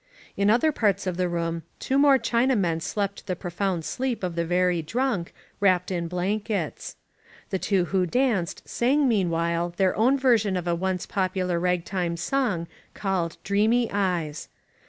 In other parts of the room two more Chinamen slept the profound sleep of the very drunk, wrapped in blankets. The two who danced sang meanwhile their own version of a once popular ragtime song called "Dreamy Eyes.''